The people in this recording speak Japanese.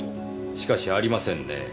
しかしありませんねえ。